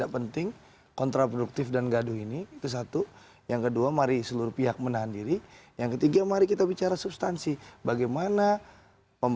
bukan belum siap